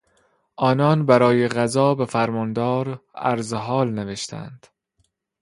آنان برای غذا به فرماندار عرضحال نوشتند.